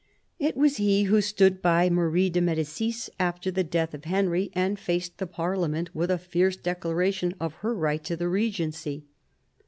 It was he who stood by Marie de Medicis after the death of Henry, and faced the Parliament with a fierce declara tion of her right to the Regency.